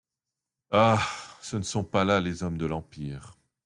Ah ! ce ne sont pas là les hommes de l’empire.